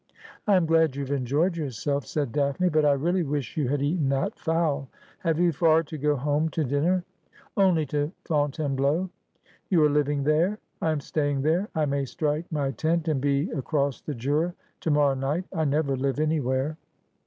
' I am glad you have enjoyed yourself,' said Daphne ;' but I really wish you had eaten that fowl. Have you far to go home to dinner ?'' Only to Fontainebleau.' ' You are living there ?'' I am staying there. I may strike my tent and be across the Jura to morrow night. I never live anywhere.'